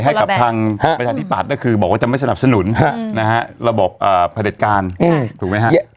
ทางประธานทิปาร์ตเอาก็คือบอกว่าจะไม่สนับสนุนระบบอ่าผลิตการถูกมั้ยห้ะ